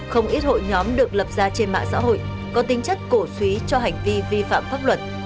không ít hội nhóm được lập ra trên mạng xã hội có tính chất cổ suý cho hành vi vi phạm pháp luật